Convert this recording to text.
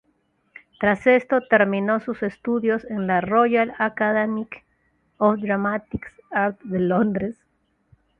Tras esto, terminó sus estudios en la Royal Academy of Dramatic Arts de Londres.